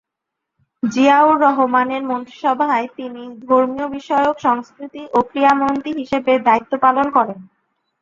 জিয়াউর রহমানের মন্ত্রিসভায় তিনি ধর্মীয় বিষয়ক, সংস্কৃতি ও ক্রীড়া মন্ত্রী হিসেবে দায়িত্ব পালন করেন।